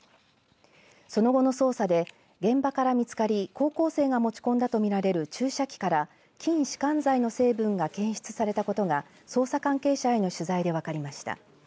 その後の操作で現場から見つかり高校生が持ち込んだとみられる注射器から、筋しかん剤の成分が検出されたことが捜査関係者への取材で分かりました。